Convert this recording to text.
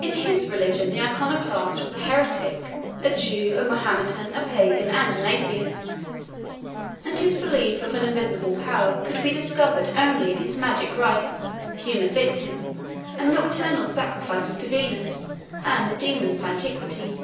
In his religion the Iconoclast was a Heretic, a Jew, a Mahometan, a Pagan, and an Atheist; and his belief of an invisible power could be discovered only in his magic rites, human victims, and nocturnal sacrifices to Venus and the daemons of antiquity.